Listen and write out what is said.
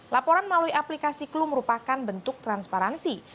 laporan melalui aplikasi clue merupakan bentuk transparansi